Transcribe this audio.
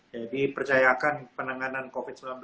jadi percayakan penanganan covid sembilan belas